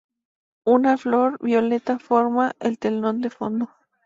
Una flor violeta forma el telón de fondo.